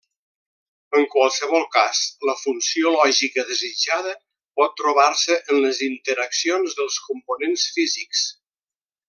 En qualsevol cas, la funció lògica desitjada pot trobar-se en les interaccions dels components físics.